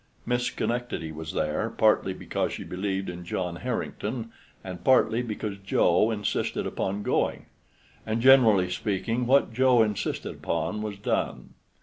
Miss Schenectady was there, partly because she believed in John Harrington, and partly because Joe insisted upon going; and, generally speaking, what Joe insisted upon was done.